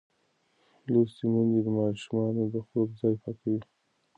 لوستې میندې د ماشومانو د خوب ځای پاکوي.